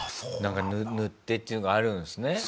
なんか塗ってっていうのがあるんですね。